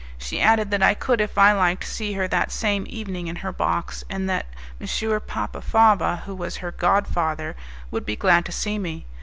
She added that I could, if I liked, see her that same evening in her box, and that M. Papafava, who was her god father, would be glad to see me.